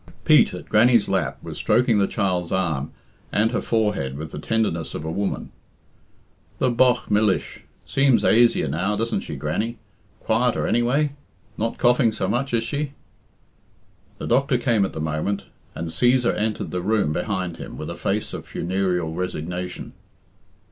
Pete, at Grannie's lap, was stroking the child's arm and her forehead with the tenderness of a woman. "The bogh millish! Seems aisier now, doesn't she, Grannie? Quieter, anyway? Not coughing so much, is she?" The doctor came at the moment, and Cæsar entered the room behind him with a face of funereal resignation.